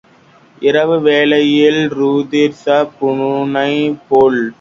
இரவு வேளையில் ருத்திராட்சப் பூனை போல்.